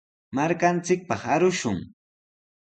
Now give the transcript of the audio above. Markanchikpaq arushun.